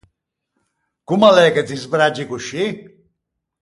Comm’a l’é che ti sbraggi coscì?